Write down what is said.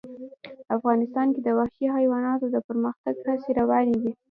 افغانستان کې د وحشي حیواناتو د پرمختګ هڅې روانې دي.